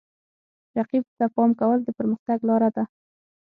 رقیب ته پام کول د پرمختګ لاره ده.